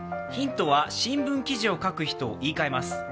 ヒントは新聞記事を書く人を言いかえます。